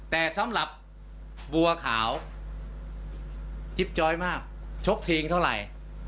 แต่สำหรับบัวขาวยิบจอยมากช่วยทองเถียงเท่าไร